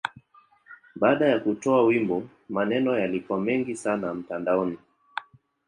Baada ya kutoa wimbo, maneno yalikuwa mengi sana mtandaoni.